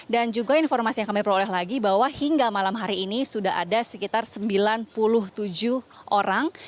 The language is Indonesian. dan juga informasi yang kami peroleh lagi bahwa hingga malam hari ini sudah ada sekitar sembilan puluh tujuh orang